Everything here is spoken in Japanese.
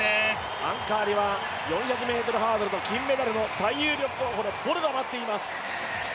アンカーには４００ｍハードルの金メダルの最有力候補のボルが待っています。